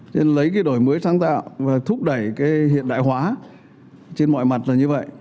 nên lấy cái đổi mới sáng tạo và thúc đẩy cái hiện đại hóa trên mọi mặt là như vậy